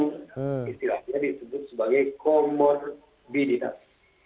istilahnya disebut sebagai komorbiditas